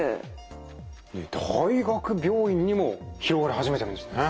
大学病院にも広がり始めてるんですね。